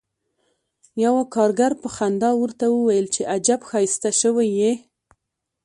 یوه کارګر په خندا ورته وویل چې عجب ښایسته شوی یې